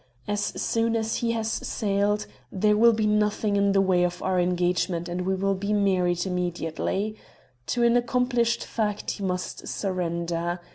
As soon as he has sailed there will be nothing in the way of our engagement and we will be married immediately. To an accomplished fact he must surrender.